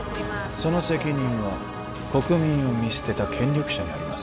その責任は国民を見捨てた権力者にあります